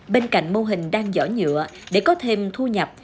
bên cạnh mô hình đăng giỏ nhựa để có thêm thu nhập